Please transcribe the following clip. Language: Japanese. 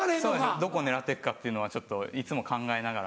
どこ狙って行くかっていうのはちょっといつも考えながら。